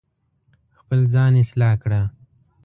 خپل ځان اصلاح کړه